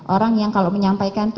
orang yang kalau menyampaikan